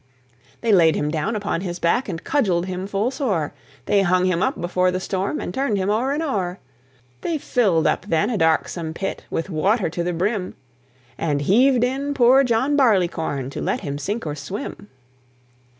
They laid him down upon his back, And cudgelled him full sore; They hung him up before the storm, And turn'd him o'er and o'er. They filled up then a darksome pit With water to the brim, And heaved in poor John Barleycorn, To let him sink or swim.